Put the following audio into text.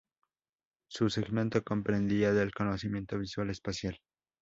Su segmento comprendía del conocimiento visual-espacial.